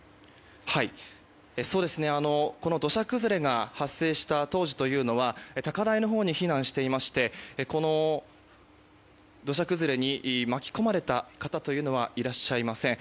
この土砂崩れが発生した当時というのは高台のほうに避難していまして土砂崩れに巻き込まれた方はいらっしゃいません。